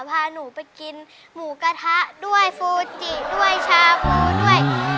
พาหนูไปกินหมูกระทะด้วยฟูจิด้วยชาฟูด้วย